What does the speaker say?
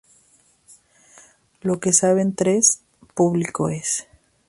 Lo que saben tres, público es